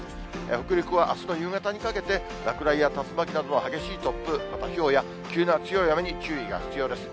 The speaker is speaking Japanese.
北陸はあすの夕方にかけて、落雷や竜巻などの激しい突風、またひょうや、急な強い雨に注意が必要です。